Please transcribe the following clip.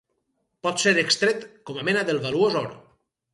Pot ser extret com a mena del valuós or.